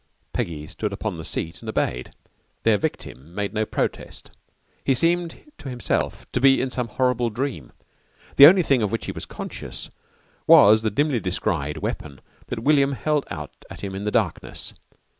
Peggy stood upon the seat and obeyed. Their victim made no protest. He seemed to himself to be in some horrible dream. The only thing of which he was conscious was the dimly descried weapon that William held out at him in the darkness.